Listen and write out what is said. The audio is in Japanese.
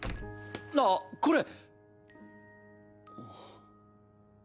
あっこれ！